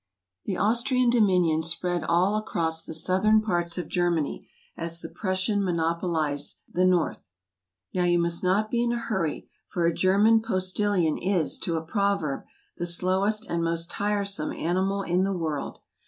The Austrian dominions spread all across the southern parts of Germany, as the Prussian mo¬ nopolize the North. Now you must not be in a hurry, for a Ger¬ man postillion is, to a proverb, the slowest and most tiresome animal in the world.